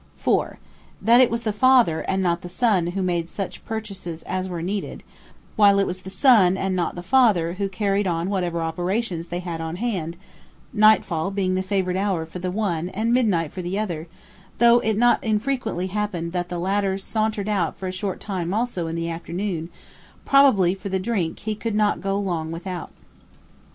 4. That it was the father and not the son who made such purchases as were needed, while it was the son and not the father who carried on whatever operations they had on hand; nightfall being the favorite hour for the one and midnight for the other; though it not infrequently happened that the latter sauntered out for a short time also in the afternoon, probably for the drink he could not go long without.